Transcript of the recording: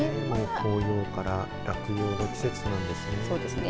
紅葉から落葉の季節なんですね。